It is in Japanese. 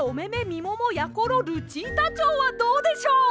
みももやころルチータチョウ」はどうでしょう？